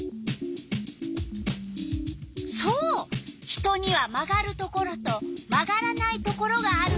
そう人には曲がるところと曲がらないところがあるみたい。